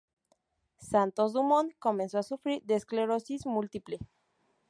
Santos Dumont comenzó a sufrir de esclerosis múltiple.